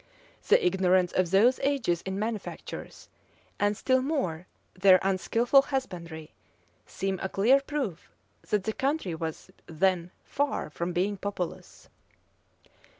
The ignorance of those ages in manufactures, and still more their unskilful husbandry, seem a clear proof that the country was then far from being populous.